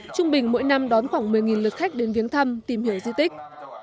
trung bình mỗi năm đón khoảng một mươi lượt khách đến viếng thăm tìm hiểu di tích